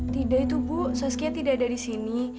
tidak itu bu saskia tidak ada disini